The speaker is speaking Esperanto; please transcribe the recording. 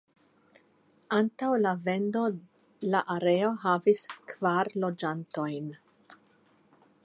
Antaŭ la vendo la areo havis kvar loĝantojn.